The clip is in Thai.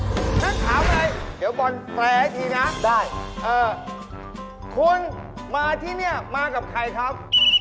มีคำถามอะไรเดี๋ยวบอลแปลทีนะได้เออคุณมาที่เนี้ยมากับใครครับ